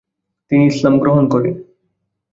তিনি ইসলাম গ্রহণ করে।